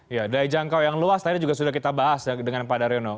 ya daya jangkau yang luas tadi juga sudah kita bahas dengan pak daryono